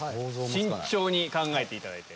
慎重に考えていただいて。